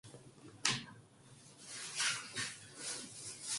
먼저 면장이 나와서 간단한 말로 군수를 농민들에게 소개 하였다.